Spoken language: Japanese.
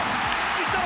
いったろ！